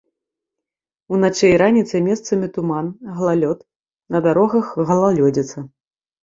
Уначы і раніцай месцамі туман, галалёд, на дарогах галалёдзіца.